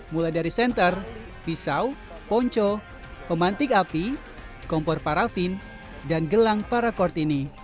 mulai dari senter pisau ponco pemantik api kompor parafin dan gelang paracord ini